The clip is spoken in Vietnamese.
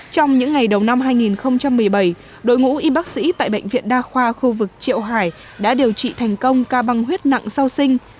trong những ngày đầu năm hai nghìn một mươi bảy đội ngũ y bác sĩ tại bệnh viện đa khoa khu vực triệu hải đã điều trị thành công ca băng huyết nặng sau sinh